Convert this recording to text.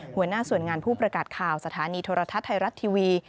หัวหน้าส่วนงานผู้ประกาศข่าวสถานีโทรทัศน์ไทยรัฐทีวี